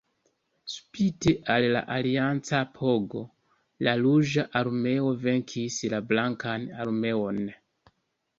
Spite al la alianca apogo, la Ruĝa Armeo venkis la Blankan Armeon.